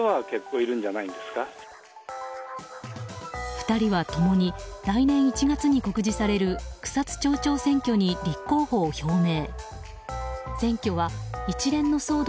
２人は共に来年１月に告示される草津町長選挙に立候補を表明。